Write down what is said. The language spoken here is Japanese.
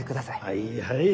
はいはい。